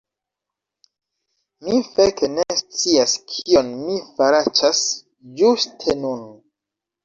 Mi feke ne scias kion mi faraĉas ĝuste nun!